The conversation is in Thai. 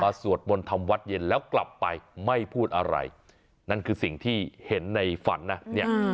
สวดมนต์ทำวัดเย็นแล้วกลับไปไม่พูดอะไรนั่นคือสิ่งที่เห็นในฝันนะเนี่ย